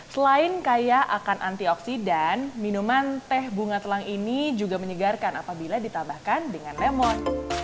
selain kaya akan antioksidan minuman teh bunga telang ini juga menyegarkan apabila ditambahkan dengan lemon